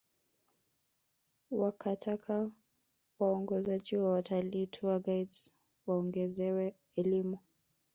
Wakataka waongozaji wa watalii tour guides waongezewe elimu